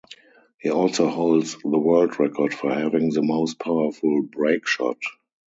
He also holds the world record for having the most powerful break shot.